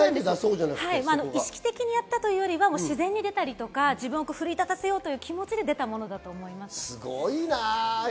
意識的というよりは自然に出たり、自分を奮い立たせる気持ちで出たものだと思います。